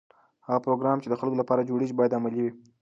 هغه پروګرام چې د خلکو لپاره جوړیږي باید عملي وي.